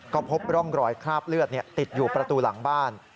ก็พบร่องรอยคราบเลือดติดอยู่ประตูหลังบ้าน